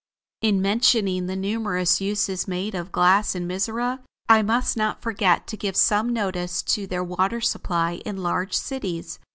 In mentioning the numerous uses made of glass in Mizora, I must not forget to give some notice to their water supply in large cities.